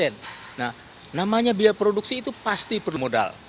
nah namanya biaya produksi itu pasti perlu modal